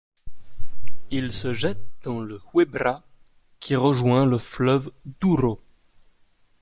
Il se jette dans le Huebra qui rejoint le fleuve Douro.